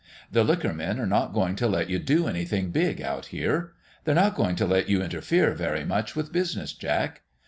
The liquor men are not going to let you do anything big out here. They're not going to let you interfere very much with business, Jack.